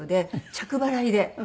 着払いで？